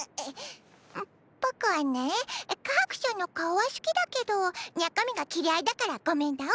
ううポコアねカハクしゃんの顔はしゅきだけど中身が嫌いだからごめんだお。